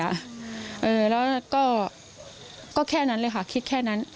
เออแล้วก็ก็แค่นั้นเลยค่ะคิดแค่นั้น